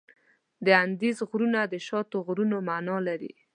د اندیز غرونه د شاتو د غرونو معنا لري.